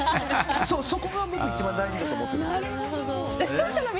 そこが僕一番大事だと思っているので。